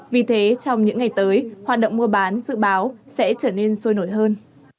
vì thế trong những ngày tới hoạt động mua bán dự báo sẽ trở nên sôi nổi hơn